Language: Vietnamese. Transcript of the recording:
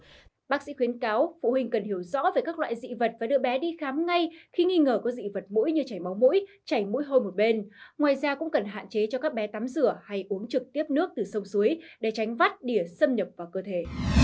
các bác sĩ khuyến cáo phụ huynh cần hiểu rõ về các loại dị vật và đưa bé đi khám ngay khi nghi ngờ có dị vật mũi như chảy máu mũi chảy mũi hôi một bên ngoài ra cũng cần hạn chế cho các bé tắm rửa hay uống trực tiếp nước từ sông suối để tránh vắt đỉa xâm nhập vào cơ thể